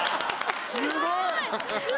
すごい！